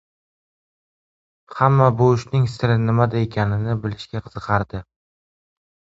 Hamma bu ishning siri nimada ekanini bilishga qiziqardi.